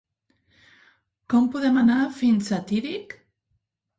Com podem anar fins a Tírig?